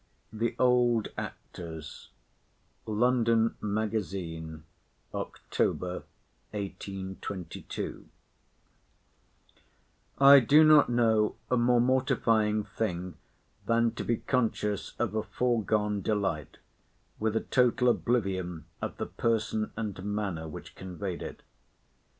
THE OLD ACTORS (London Magazine, October, 1822) I do not know a more mortifying thing than to be conscious of a foregone delight, with a total oblivion of the person and manner which conveyed it.